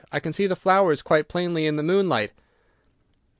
I can see the flowers quite plainly in the moonlight."